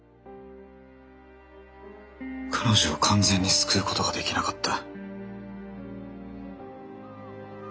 彼女を完全に救うことができなかった。